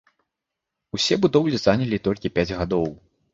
Усе будоўлі занялі толькі пяць гадоў!